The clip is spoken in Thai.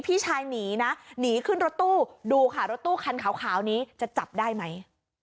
พี่ชายหนีนะหนีขึ้นรถตู้ดูค่ะรถตู้คันขาวนี้จะจับได้ไหม